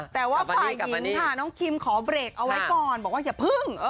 แต่ว่าฝ่ายหญิงค่ะน้องคิมขอเบรกเอาไว้ก่อนบอกว่าอย่าพึ่ง